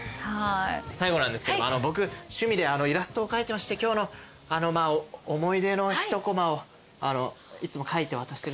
最後なんですけど僕趣味でイラストを描いてまして今日の思い出の一こまをいつも描いて渡してるんです。